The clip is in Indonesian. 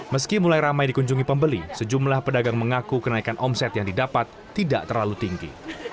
meski mulai ramai dikunjungi pembeli sejumlah pedagang mengaku kenaikan omset yang didapat tidak terlalu tinggi